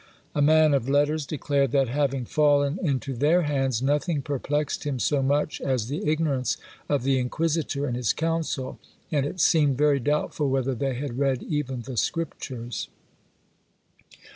A man of letters declared that, having fallen into their hands, nothing perplexed him so much as the ignorance of the inquisitor and his council; and it seemed very doubtful whether they had read even the Scriptures.